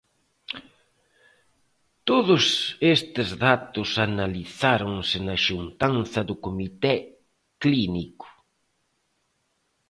Todos estes datos analizáronse na xuntanza do comité clínico.